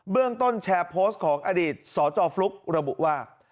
เรื่องต้นแชร์โพสต์ของอดีตสจฟลุ๊กระบุว่า